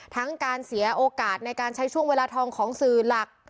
ทั้งการเสียโอกาสในการใช้ช่วงเวลาทองของสื่อหลัก